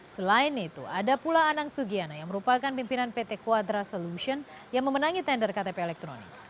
selain itu ada pula anang sugiana yang merupakan pimpinan pt quadra solution yang memenangi tender ktp elektronik